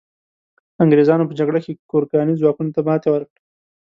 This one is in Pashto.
انګریزانو په جګړه کې ګورکاني ځواکونو ته ماتي ورکړه.